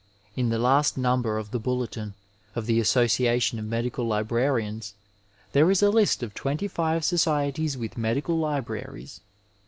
In the last number of the BuUeUn of the Association of Medical Librarians there is a list of twenty five societies with medical libraries.